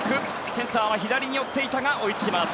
センターは左に寄っていたが追いつきます。